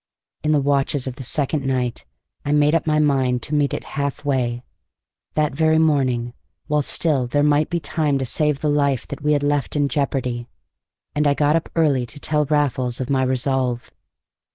In the watches of the second night I made up my mind to meet it halfway, that very morning, while still there might be time to save the life that we had left in jeopardy. And I got up early to tell Raffles of my resolve.